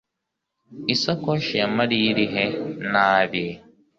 isakoshi ya mariya iri he? nabi